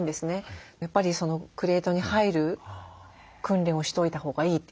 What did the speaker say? やっぱりクレートに入る訓練をしといたほうがいいって。